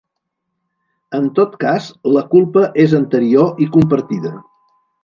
En tot cas la culpa és anterior i compartida.